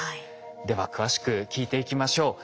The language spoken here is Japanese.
では詳しく聞いていきましょう。